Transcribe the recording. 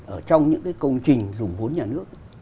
ở trong những cái công trình dùng vốn nhà nước